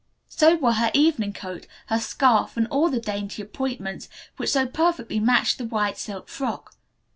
So were her evening coat, her scarf and all the dainty appointments which so perfectly matched the white silk frock.